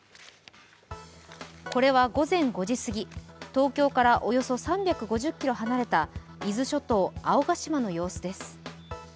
これは午前５時過ぎ、東京からおよそ３５０ｋｍ離れた伊豆諸島・青ヶ島の様子です。